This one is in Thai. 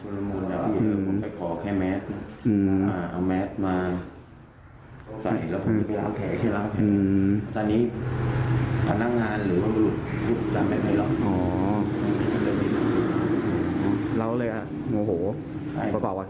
แล้วมันจะเอายังไง